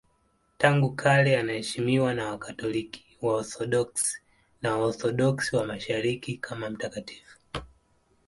Tangu kale anaheshimiwa na Wakatoliki, Waorthodoksi na Waorthodoksi wa Mashariki kama mtakatifu.